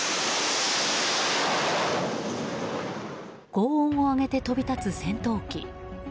ごう音を上げて飛び立つ戦闘機。